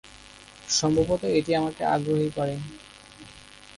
সম্ভবত এটি আমাকে আগ্রহী করে।